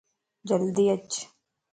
جلدي اچ